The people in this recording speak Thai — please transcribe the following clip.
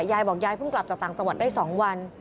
ยายบอกยายเพิ่งกลับจากต่างจังหวัดได้๒วัน